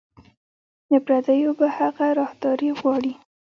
له پردیو به هغه راهداري غواړي